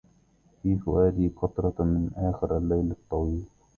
في فؤادي, قطرةً من آخر الليل الطويل